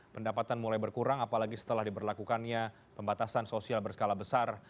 pendapatan mulai berkurang apalagi setelah diberlakukannya pembatasan sosial berskala besar